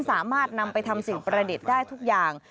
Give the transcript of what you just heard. สามารถนำไปทำสิ่งประดิษฐ์ได้ทุกอย่าง